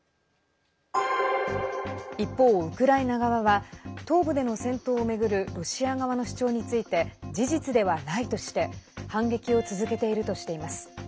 一方、ウクライナ側は東部での戦闘を巡るロシア側の主張について事実ではないとして反撃を続けているとしています。